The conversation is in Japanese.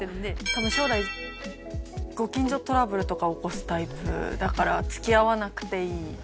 多分将来ご近所トラブルとか起こすタイプだから付き合わなくていい。